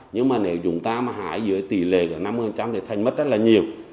nhưng mà nếu chúng ta mà hái dưới tỷ lệ năm mươi thì thanh mất rất là nhiều